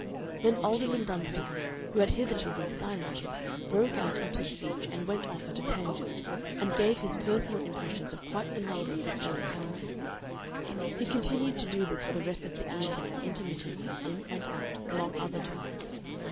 Then Alderman Dunstable, who had hitherto been silent, broke out into speech and went off at a tangent, and gave his personal impressions of quite a number of his fellow councillors. He continued to do this for the rest of the evening intermittently, in and out, among other topics.